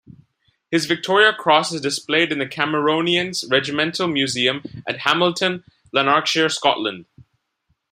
His Victoria Cross is displayed in the Cameronians Regimental Museum at Hamilton, Lanarkshire, Scotland.